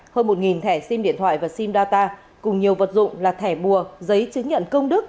hơn một thẻ sim điện thoại và sim data cùng nhiều vật dụng là thẻ bùa giấy chứng nhận công đức